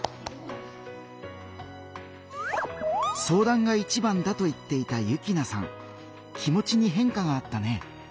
相談がいちばんだと言っていた幸那さん気持ちに変化があったね。